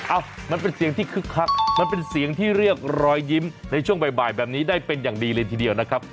มันเป็นเสียงที่คึกคักมันเป็นเสียงที่เรียกรอยยิ้มในช่วงบ่ายแบบนี้ได้เป็นอย่างดีเลยทีเดียวนะครับ